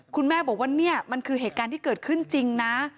คุณแม่บอกว่าเนี่ยมันคือเหตุการณ์ที่เกิดขึ้นจริงนะ